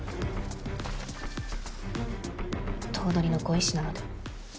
頭取のご遺志なので。